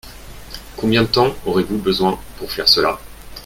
Combien de temps aurez-vous besoin pour faire cela ?